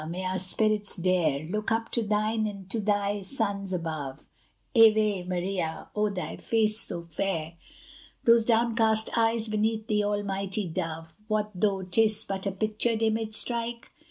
may our spirits dare Look up to thine and to thy Son's above! Ave Maria! oh that face so fair! Those downcast eyes beneath the Almighty Dove What though 'tis but a pictured image strike?